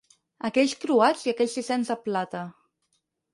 Aquells croats i aquells sisens de plata